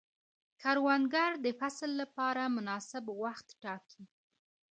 کروندګر د فصل لپاره مناسب وخت ټاکي